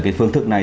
cái phương thức này